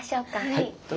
はい。